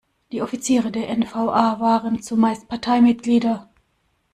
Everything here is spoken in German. Die Offiziere der N-V-A waren zumeist Parteimitglieder.